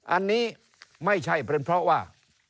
อันนี้ไม่ใช่เป็นเพราะว่า